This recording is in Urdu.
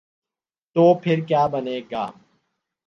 تو پھر کیابنے گا؟